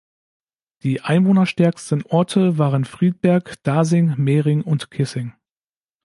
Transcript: Die einwohnerstärksten Orte waren Friedberg, Dasing, Mering und Kissing.